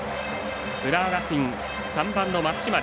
浦和学院、３番の松嶋。